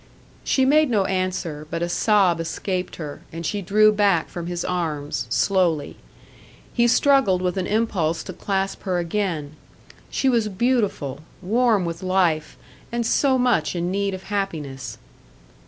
She made no answer; but a sob escaped her, and she drew back from his arms slowly. He struggled with an impulse to clasp her again. She was beautiful, warm with life and so much in need of happiness!